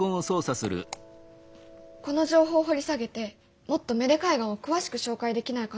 この情報掘り下げてもっと芽出海岸を詳しく紹介できないかなと思って。